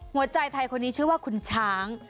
หัวใจไทยคนนี้ชื่อว่าคุณช้าง